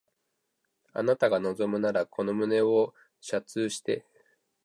あなたが望むならこの胸を射通して